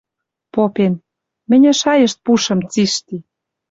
Попен: «Мӹньӹ шайышт пушым цишти.